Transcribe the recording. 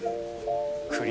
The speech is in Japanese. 栗。